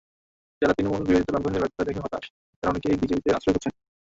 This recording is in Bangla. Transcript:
যাঁরা তৃণমূলের বিরোধিতায় বামপন্থীদের ব্যর্থতা দেখে হতাশ, তাঁরা অনেকেই বিজেপিতে আশ্রয় খুঁজেছেন।